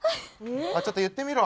ちょっと言ってみろ！